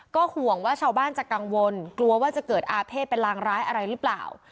ก็ห่วงว่าชาวบ้านจะกังวลกลัวว่าจะเกิดอาเภษเป็นรางร้ายอะไรหรือเปล่า